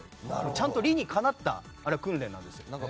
ちゃんと理にかなった訓練なんです。